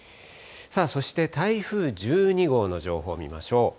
そして台風１２号の情報見ましょう。